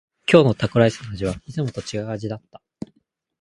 今日のタコライスの味はいつもと違う味だった。